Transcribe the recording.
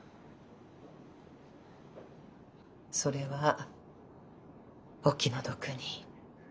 それはお気の毒に。